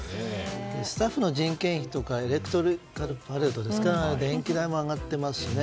スタッフの人件費とかエレクトリカルパレードなどは電気代も上がっていますしね。